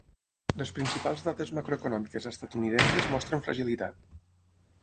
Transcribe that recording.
Les principals dades macroeconòmiques estatunidenques mostren fragilitat.